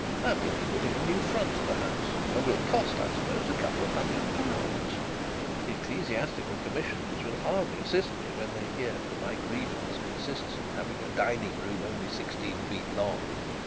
That will be putting a new front to the house, and will cost, I suppose, a couple of hundred pounds. The ecclesiastical commissioners will hardly assist me when they hear that my grievance consists in having a dining room only sixteen feet long.'